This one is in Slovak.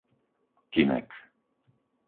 Kynek